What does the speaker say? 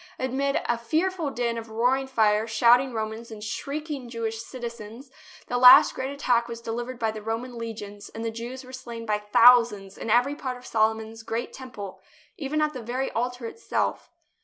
Amid a fearful din of roaring fire, shouting Romans and shrieking Jewish citizens, the last great attack was delivered by the Roman legions and the Jews were slain by thousands in every part of Solomon's great Temple, even at the very altar itself.